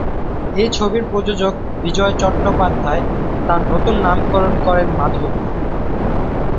এই ছবির প্রযোজক বিজয় চট্টোপাধ্যায় তার নতুন নামকরণ করেন মাধবী।